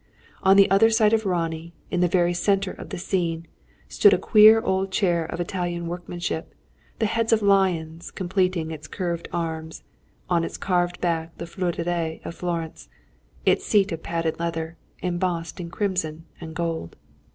On the other side of Ronnie, in the very centre of the scene, stood a queer old chair of Italian workmanship, the heads of lions completing its curved arms, on its carved back the fleur de lis of Florence, its seat of padded leather, embossed in crimson and gold.